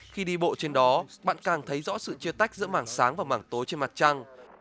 khi đi bộ trên đó bạn càng thấy rõ sự chia tách giữa mảng sáng và mảng tối trên mặt trăng